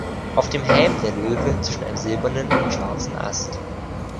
Auf dem Helm der Löwe zwischen einem silbernen und schwarzen Ast.